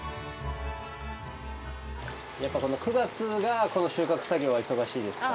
やっぱこの９月がこの収穫作業は忙しいですか？